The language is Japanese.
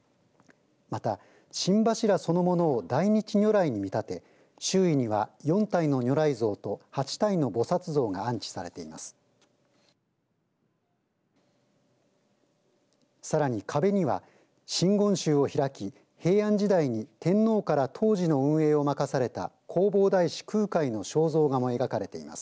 また、心柱そのものを大日如来に見立て周囲には、４体の如来像と８体の菩薩像が安置されています。